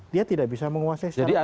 dia tidak bisa menguasai